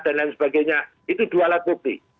dan lain sebagainya itu dua alat bukti